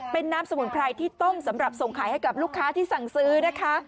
เป็นน้ำสมุนไพรที่ต้มสำหรับส่งขายให้กับลูกค้าที่สั่งซื้อนะคะ